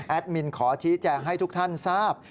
มินขอชี้แจงให้ทุกท่านทราบ